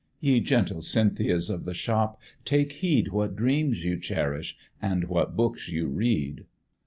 Ye gentle Cynthias of the shop, take heed What dreams you cherish, and what books ye read!